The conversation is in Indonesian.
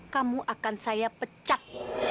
kamu akan saya pecat